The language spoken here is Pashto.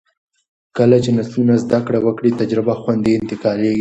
کله چې نسلونه زده کړه وکړي، تجربه خوندي انتقالېږي.